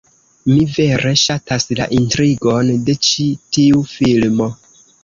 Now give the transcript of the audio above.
Mi vere ŝatas la intrigon de ĉi tiu filmo